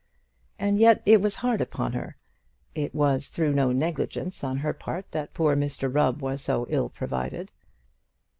And yet it was hard upon her. It was through no negligence on her part that poor Mr Rubb was so ill provided.